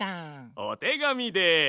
おてがみです！